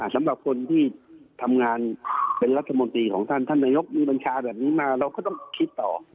สำหรับคนที่ทำงานเป็นรัฐมนตรีของท่านท่านนายกมีบัญชาแบบนี้มาเราก็ต้องคิดต่อ